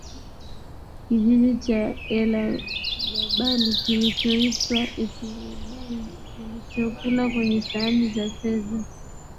kijiji cha Elagabal kilichoitwa Epilebal kilichokula kwenye sahani za fedha